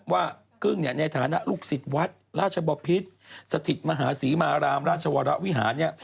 ว่ากึ้งในฐานะลูกศิษย์วัดราชบอพิษธรรมสถิตมหาศรีมหารามราชวรวิหาร